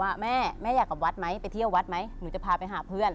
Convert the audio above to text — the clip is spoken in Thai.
ว่าแม่แม่อยากกลับวัดไหมไปเที่ยววัดไหมหนูจะพาไปหาเพื่อน